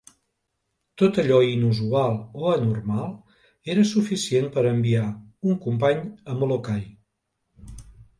Tot allò inusual o anormal era suficient per enviar un company a Molokai.